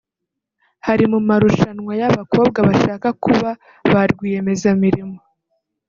Hari mu marushanwa y’abakobwa bashaka kuba ba rwiyemezamirimo